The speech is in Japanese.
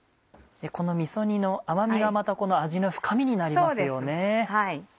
このみそ煮の甘みがまたこの味の深みになりますよね。